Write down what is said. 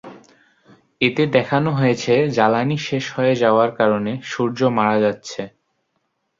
এতে দেখানো হয়েছে জ্বালানি শেষ হয়ে যাওয়ার কারণে সূর্য মারা যাচ্ছে।